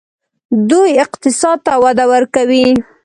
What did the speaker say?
دوی اقتصاد ته وده ورکوي.